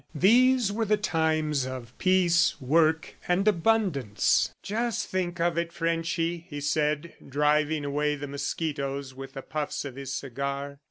These were the times of peace, work and abundance. "Just think of it, Frenchy," he said, driving away the mosquitoes with the puffs of his cigar.